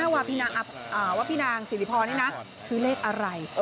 ว่าพี่นางสิริพรนี่นะซื้อเลขอะไร